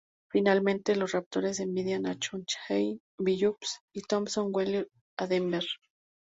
Finalmente, los Raptors enviaban a Chauncey Billups y Tyson Wheeler a Denver.